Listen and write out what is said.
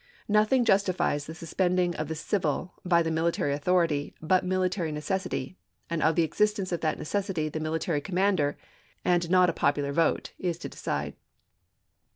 Nothing justifies the suspending of the civil by the military authority but military necessity, and of the existence of that necessity the military commander, and not a popular vote, is to decide.